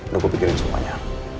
lo gue pikirin semuanya